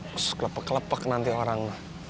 masuk lepek lepek nanti orang